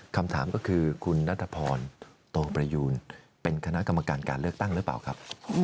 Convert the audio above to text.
คำถามก็คือคุณนัทพรโตประยูนเป็นคณะกรรมการการเลือกตั้งหรือเปล่าครับ